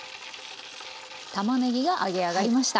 たまねぎが揚げ上がりました。